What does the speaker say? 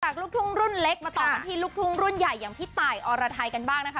ลูกทุ่งรุ่นเล็กมาต่อกันที่ลูกทุ่งรุ่นใหญ่อย่างพี่ตายอรไทยกันบ้างนะคะ